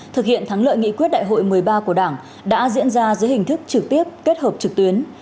thực hiện thắng lợi nghị quyết đại hội một mươi ba của đảng đã diễn ra dưới hình thức trực tiếp kết hợp trực tuyến